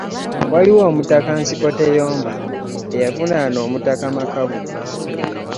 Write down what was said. Waliwo omutaka Nsikoteyomba, eyavunaana omutaka Makaabugo